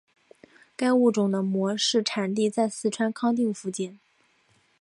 该物种的模式产地在四川康定附近。